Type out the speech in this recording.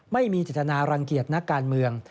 ไม่มีจิตนารังเกียจนักการเมือง